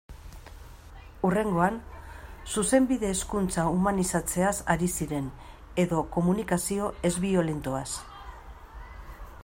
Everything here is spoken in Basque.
Hurrengoan, Zuzenbide-hezkuntza humanizatzeaz ari ziren, edo komunikazio ez-biolentoaz...